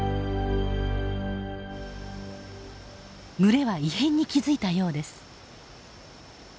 群れは異変に気付いたようです。